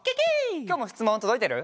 きょうもしつもんとどいてる？